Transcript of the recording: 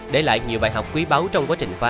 để lại nhiều bài học quý báu trong quá trình phá